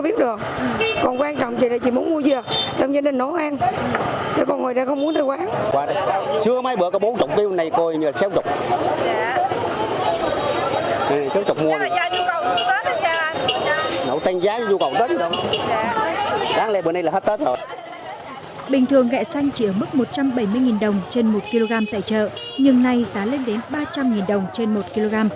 bình thường ghẹ xanh chỉ ở mức một trăm bảy mươi đồng trên một kg tại chợ nhưng nay giá lên đến ba trăm linh đồng trên một kg